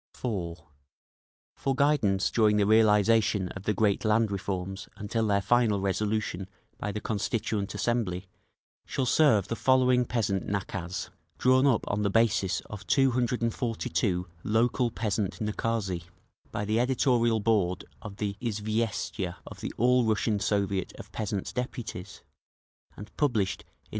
(4.) For guidance during the realisation of the great land reforms until their final resolution by the Constituent Assembly, shall serve the following peasant nakaz (See App. V, Sect. 3) (instructions), drawn up on the basis of 242 local peasant nakazi by the editorial board of the "Izviestia of the All Russian Soviet of Peasants' Deputies," and published in No.